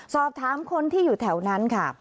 สอบถามคนที่อยู่แถวนั้นค่ะ